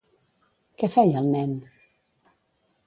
Què feia el nen?